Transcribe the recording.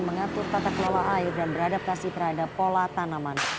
mengatur tata kelola air dan beradaptasi terhadap pola tanaman